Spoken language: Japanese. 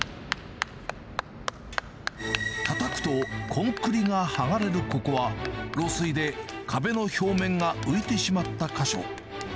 たたくとコンクリが剥がれるここは、漏水で壁の表面が浮いてしまった箇所。